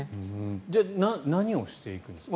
じゃあ何をしていくんですか？